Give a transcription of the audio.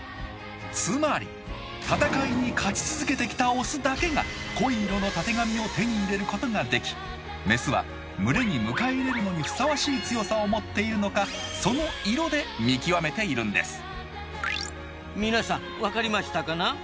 つまり戦いに勝ち続けてきたオスだけが濃い色のたてがみを手に入れることができメスは群れに迎え入れるのにふさわしい強さを持っているのか皆さん分かりましたかな？